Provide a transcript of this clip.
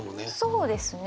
そうですね。